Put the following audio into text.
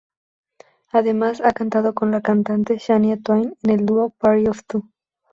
Además, ha cantado con la cantante Shania Twain en el dúo "Party for two".